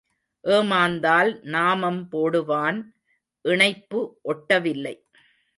ஏமாந்தால் நாமம் போடுவான் இணைப்பு ஒட்டவில்லை.